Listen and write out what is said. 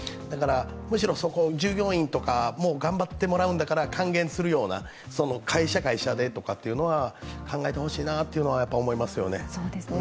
むしろ従業員とかも頑張ってもらうんだから還元するような、会社、会社でというのは考えてほしいなとは思いますよね。